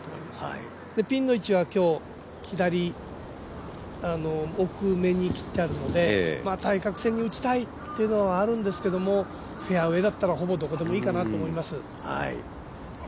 ピンの位置は今日左奥めに切ってあるので対角線に打ちたいってのはあるんですけどフェアウエーだったらほぼどこでもいいかなって思います。